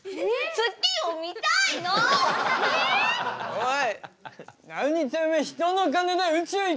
おい！